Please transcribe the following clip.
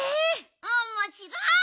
おもしろい！